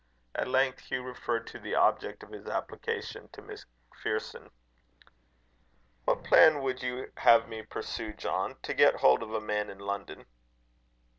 At length Hugh referred to the object of his application to MacPherson. "What plan would you have me pursue, John, to get hold of a man in London?"